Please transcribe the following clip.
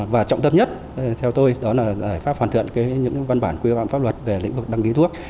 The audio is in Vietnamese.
và trọng tâm nhất theo tôi đó là giải pháp hoàn thiện những văn bản quy phạm pháp luật về lĩnh vực đăng ký thuốc